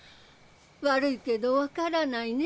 悪いけど分からないねぇ。